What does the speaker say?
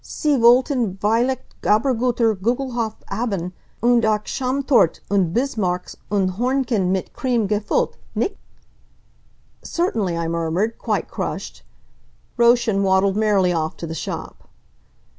Sie wollten vielleicht abgeruhrter Gugelhopf haben, und auch Schaumtorte, und Bismarcks, und Hornchen mit cream gefullt, nicht?" "Certainly," I murmured, quite crushed. Roschen waddled merrily off to the shop.